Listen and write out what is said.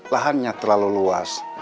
lahannya terlalu luas